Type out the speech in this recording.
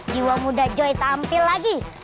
jiwa muda joy tampil lagi